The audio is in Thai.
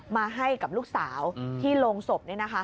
มาให้กับลูกสาวที่โรงศพ